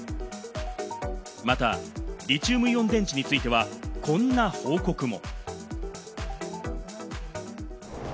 また、リチウムイオン電池についてはこんな報告も。